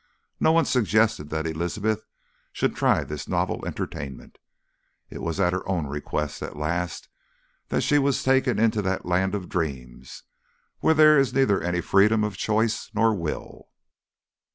No one suggested that Elizabeth should try this novel entertainment; it was at her own request at last that she was taken into that land of dreams where there is neither any freedom of choice nor will....